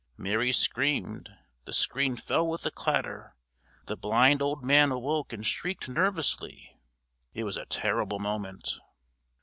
Mary screamed, the screen fell with a clatter, the blind old man awoke and shrieked nervously it was a terrible moment.